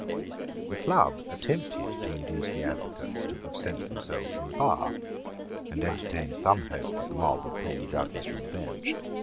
The Club attempted to induce the advocates to absent themselves from the bar, and entertained some hope that the mob would pull the judges from the bench.